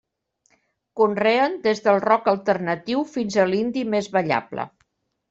Conreen des del rock alternatiu fins a l'indie més ballable.